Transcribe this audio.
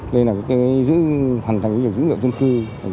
đây là cái hành thành dữ liệu dân cư